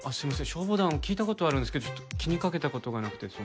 消防団聞いた事あるんですけどちょっと気にかけた事がなくてその。